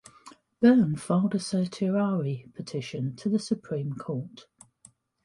Boerne filed a "certiorari" petition to the Supreme Court.